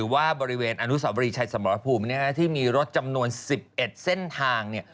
ว่าบริเวณอบริชัยสมรภูมิที่มีรถจำนวน๑๑เส้นทาง